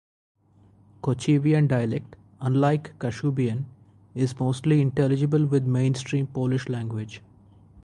Kocievian dialect, unlike Kashubian, is mostly intelligible with mainstream Polish language.